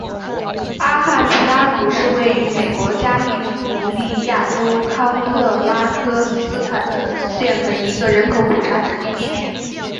阿罕布拉谷是位于美国加利福尼亚州康特拉科斯塔县的一个人口普查指定地区。